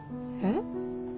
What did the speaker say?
えっ？